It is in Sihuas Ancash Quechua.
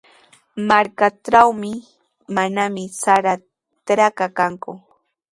Markaatrawmi manami sara trakra kanku.